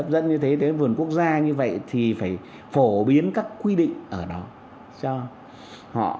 dẫn như thế tới vườn quốc gia như vậy thì phải phổ biến các quy định ở đó cho họ